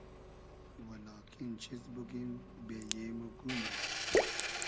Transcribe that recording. و لاکین چیز بوگیم بېیې مۉ گومۂ